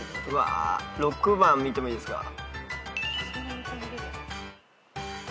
６番見てもいいですか？